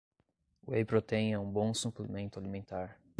Whey protein é um bom suplemento alimentar